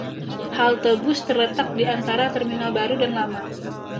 Halte bus terletak di antara terminal baru dan lama.